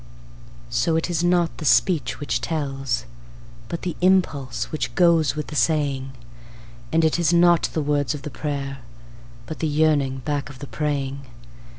So it is not the speech which tells, but the impulse which goes with the saying; And it is not the words of the prayer, but the yearning back of the praying.